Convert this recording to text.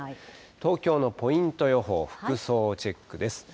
東京のポイント予報、服装チェックです。